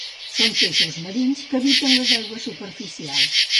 Són peixos marins que habiten les aigües superficials.